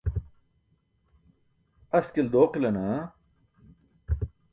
Askil dooqila naa?